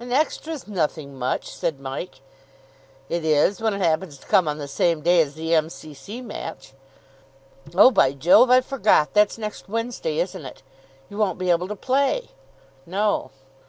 "An extra's nothing much," said Mike. "It is when it happens to come on the same day as the M.C.C. match." "Oh, by Jove! I forgot. That's next Wednesday, isn't it? You won't be able to play!" "No."